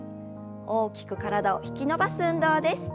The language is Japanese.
大きく体を引き伸ばす運動です。